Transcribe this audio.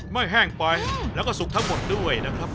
แห้งไปแล้วก็สุกทั้งหมดด้วยนะครับ